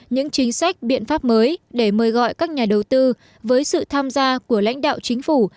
những chính sách biện pháp mới để mời gọi các nhà đầu tư với sự tham gia của lãnh đạo chính phủ